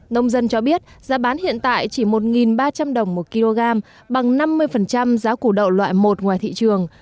nông dân cho biết giá bán hiện tại chỉ một ba trăm linh đồng một kg bằng năm mươi giá củ đậu loại một ngoài thị trường